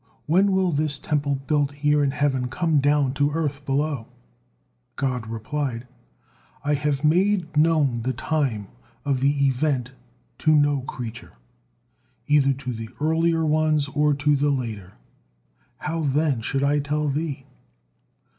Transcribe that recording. When will this Temple built here in heaven come down to earth below?" God replied: "I have made known the time of the event to no creature, either to the earlier ones or to the later, how then should I tell thee?"